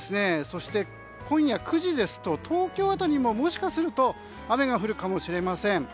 そして、今夜９時ですと東京辺りでももしかすると雨が降るかもしれません。